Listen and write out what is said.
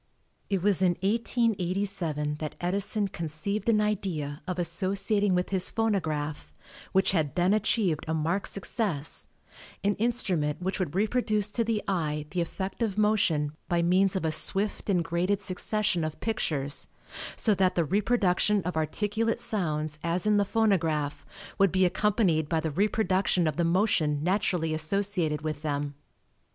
It was in 1887 that Edison conceived an idea of associating with his phonograph, which had then achieved a marked success, an instrument which would reproduce to the eye the effect of motion by means of a swift and graded succession of pictures, so that the reproduction of articulate sounds as in the phonograph, would be accompanied by the reproduction of the motion naturally associated with them.